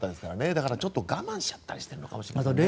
だから、ちょっと我慢しちゃったりしてるのかもしれないですね。